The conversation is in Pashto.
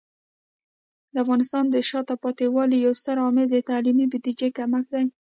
د افغانستان د شاته پاتې والي یو ستر عامل د تعلیمي بودیجې کمښت دی.